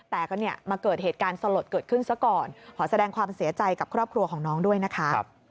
แต่ก็เนี่ยมาเกิดเหตุการณ์สลดเกิดขึ้นซะก่อนขอแสดงความเสียใจกับครอบครัวของน้องด้วยนะคะ